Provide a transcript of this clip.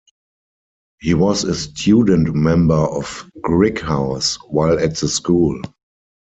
He was a student member of Grigg House while at the school.